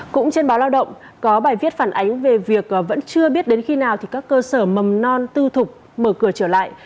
cũng trên báo lao động có bài viết phản ánh về việc vẫn chưa biết đến khi nào thì các cơ sở mầm non tư thục mở cửa trở lại